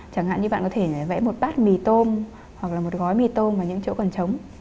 chẳng hạn như bạn có thể vẽ một bát mì tôm hoặc là một gói mì tôm và những chỗ còn trống